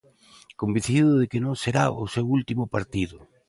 Convencido de que non será o seu último partido.